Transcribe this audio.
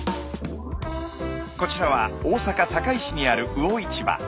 こちらは大阪・堺市にある魚市場。